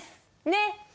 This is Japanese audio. ねっ？